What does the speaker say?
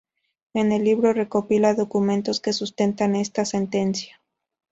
En el libro recopila documentos que sustentan esta sentencia.